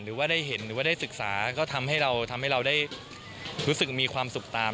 หรือว่าได้เห็นหรือว่าได้ศึกษาก็ทำให้เราทำให้เราได้รู้สึกมีความสุขตาม